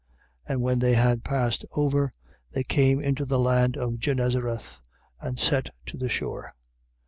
6:53. And when they had passed over, they came into the land of Genezareth, and set to the shore.